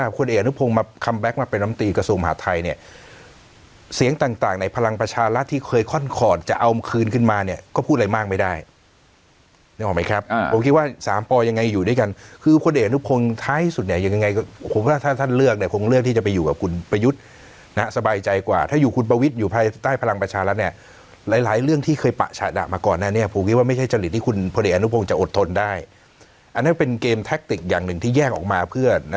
พอเดชน์อนุโพงท้ายที่สุดเนี้ยยังไงก็ผมว่าถ้าท่านเลือกเนี้ยคงเลือกที่จะไปอยู่กับคุณประยุทธ์นะสบายใจกว่าถ้าอยู่คุณประวิทย์อยู่ภายใต้พลังประชาแล้วเนี้ยหลายหลายเรื่องที่เคยปะฉะดับมาก่อนน่ะเนี้ยผมคิดว่าไม่ใช่จริตที่คุณพอเดชน์อนุโพงจะอดทนได้อันนั้นเป็นเกมแท็กติกอย่างหนึ่งที่แยกออกมาเพ